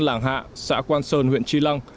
lạng hạ xã quan sơn huyện chi lăng